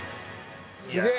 すげえ！